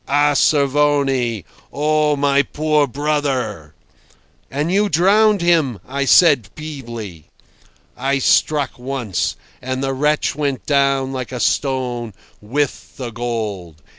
"A Cervoni! Oh! my poor brother! ..." "And you drowned him," I said feebly. "I struck once, and the wretch went down like a stone—with the gold.